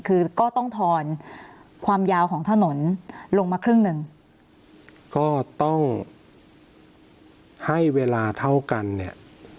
คือก็ต้องทอนความยาวของถนนลงมาครึ่งหนึ่งก็ต้องให้เวลาเท่ากันเนี่ย